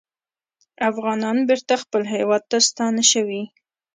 افغانان بېرته خپل هیواد ته ستانه شوي